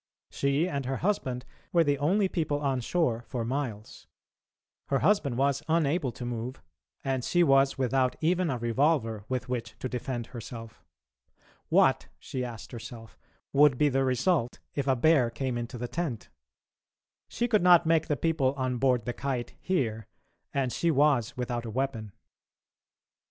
She and her husband were the only people on shore for miles; her husband was unable to move, and she was without even a revolver with which to defend herself. What, she asked herself, would be the result if a bear came into the tent? She could not make the people on board the Kite hear, and she was without a weapon.